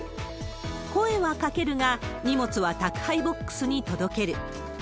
声はかけるが、荷物は宅配ボックスに届ける。